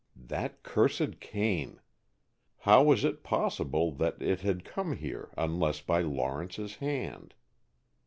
That cursed cane! How was it possible that it had come here unless by Lawrence's hand?